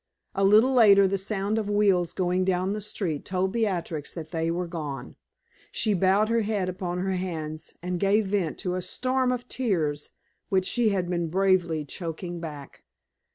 A little later the sound of wheels going down the street told Beatrix that they were gone. She bowed her head upon her hands and gave vent to a storm of tears which she had been bravely choking back.